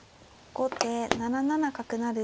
後手７七角成。